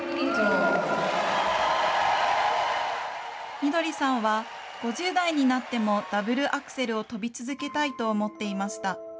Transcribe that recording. みどりさんは、５０代になってもダブルアクセルを跳び続けたいと思っていました。